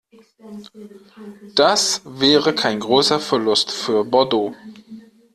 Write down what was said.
Das wäre kein großer Verlust für Bordeaux.